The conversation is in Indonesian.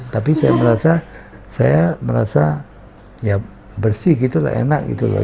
tapi saya merasa saya merasa ya bersih gitu lah enak gitu loh